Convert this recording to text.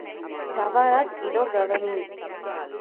ஜபாரக், இதோ கவனி.